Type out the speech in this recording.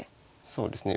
そうですね。